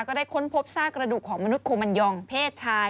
ก็ได้ค้นพบซากกระดูกของมนุษยโคมันยองเพศชาย